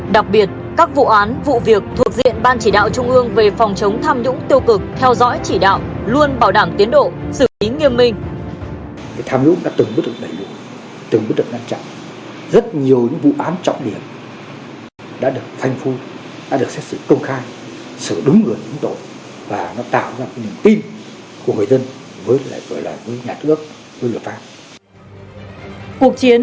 đặc biệt các vụ án vụ việc thuộc diện ban chỉ đạo trung ương về phòng chống tham nhũng tiêu cực theo dõi chỉ đạo luôn bảo đảm tiến độ xử lý nghiêm minh